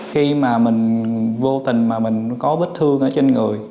khi mà mình vô tình mà mình có vết thương ở trên người